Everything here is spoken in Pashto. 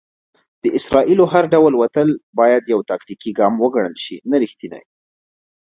د اسرائیلو هر ډول وتل بايد يو "تاکتيکي ګام وګڼل شي، نه ريښتينی".